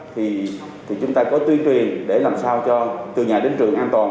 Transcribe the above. thì chúng ta có tuyên truyền để làm sao cho từ nhà đến trường an toàn